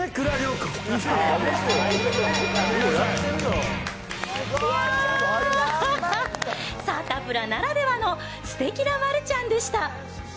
いやー、サタプラならではのすてきな丸ちゃんでした。